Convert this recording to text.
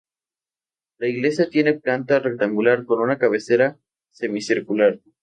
La iglesia tiene planta rectangular con una cabecera semicircular.